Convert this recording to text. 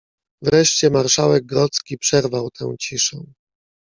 "Wreszcie marszałek grodzki przerwał tę ciszę."